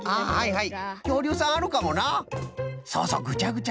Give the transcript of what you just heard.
はい。